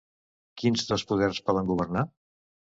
Quins dos poders poden governar?